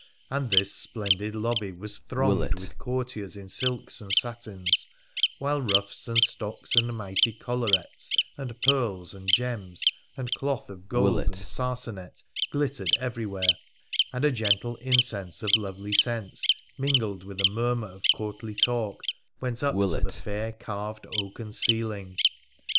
And this splendid lobby was thronged with courtiers in silks and satins, while ruffs and stocks and mighty collarets, and pearls and gems, and cloth of gold and sarsanet glittered everywhere, and a gentle incense of lovely scents mingled with a murmur of courtly talk went up to the fair carved oaken ceiling.